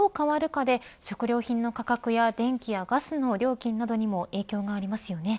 通貨としての円の価値がどう変わるかで食料品の価格や電気やガスの料金などにも影響がありますよね。